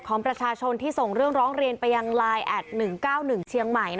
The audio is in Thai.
ของประชาชนที่ส่งเรื่องร้องเรียนไปยังไลน์แอด๑๙๑เชียงใหม่